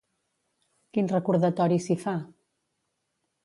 Quin recordatori s'hi fa?